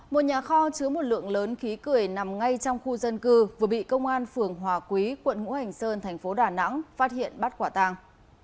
một nhà kho chứa một lượng lớn khí cười nằm ngay trong khu dân cư vừa bị công an phường hòa quý quận hữu hành sơn thành phố đà nẵng phát hiện bắt quả tàng